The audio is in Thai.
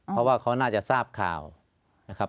เพราะว่าเขาน่าจะทราบข่าวนะครับ